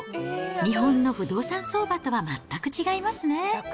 日本の不動産相場とは全く違いますね。